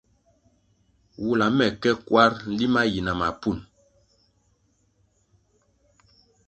Wula me ke kwar nlima yi na mapun.